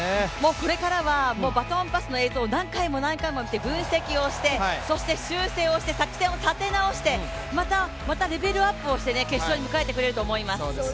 これからはバトンパスの映像を何回も何回も見て分析をして、そして修正をして、作戦を立て直してまたレベルアップをして決勝を迎えてくれると思います。